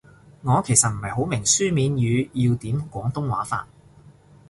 我其實唔係好明書面語要點廣東話法